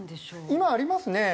今ありますね。